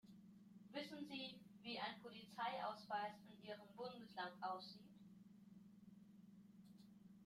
Wissen Sie, wie ein Polizeiausweis in Ihrem Bundesland aussieht?